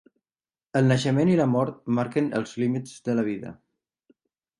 El naixement i la mort marquen els límits de la vida.